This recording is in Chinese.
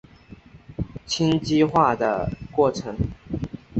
羟基化的过程。